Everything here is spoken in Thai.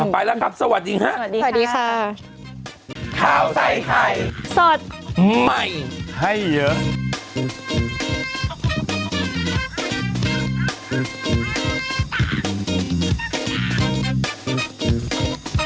ไปแล้วครับสวัสดีค่ะ